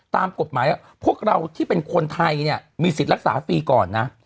ตามกฎหมายพวกเราที่เป็นคนไทยเนี่ยมีสิทธิ์รักษาฟรีก่อนนะ